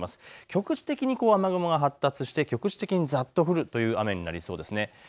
局地的に雨雲が発達して局地的にざっと降る雨になりそうです。